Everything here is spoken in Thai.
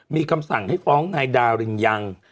มีคำศักดิ์ให้ฟ้องในดารินยัง